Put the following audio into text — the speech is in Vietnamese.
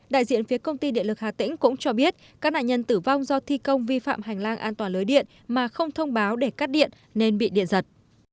đại diện phía công ty điện lực hà tĩnh cũng cho biết các nạn nhân tử vong do thi công vi phạm hành lang an toàn lưới điện mà không thông báo để cắt điện nên bị điện giật